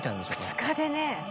２日でね。